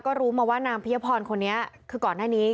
ก็รู้มาว่านางพิพหมอนก่อนหน้านี้